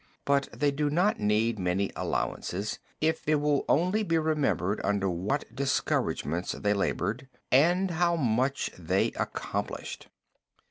But they do not need many allowances, if it will only be remembered under what discouragements they labored and how much they accomplished.